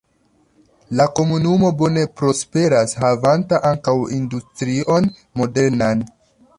La komunumo bone prosperas havanta ankaŭ industrion modernan.